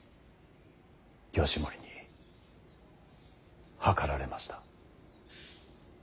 義盛に謀られました。